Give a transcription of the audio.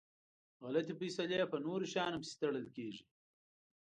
غلطي فیصلی په نورو شیانو پسي تړل کیږي.